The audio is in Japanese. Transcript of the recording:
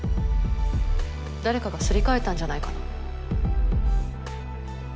誰かがすり替えたんじゃないかな。